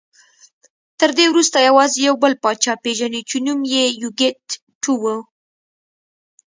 تر دې وروسته یوازې یو بل پاچا پېژنو چې نوم یې یوکیت ټو و